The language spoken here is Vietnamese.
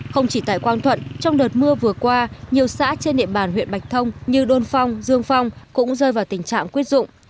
không chỉ tại quang thuận trong đợt mưa vừa qua nhiều xã trên địa bàn huyện bạch thông như đôn phong dương phong cũng rơi vào tình trạng quyết dụng